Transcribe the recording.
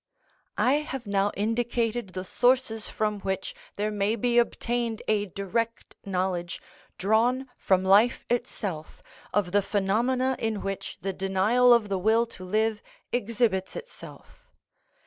I have now indicated the sources from which there may be obtained a direct knowledge, drawn from life itself, of the phenomena in which the denial of the will to live exhibits itself.